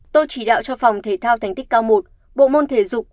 tôi chỉ đạo cho phòng thể thao thánh tích cao i bộ môn thể dục